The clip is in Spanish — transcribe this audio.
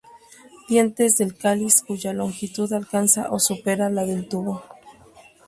Dientes del cáliz cuya longitud alcanza o supera la del tubo.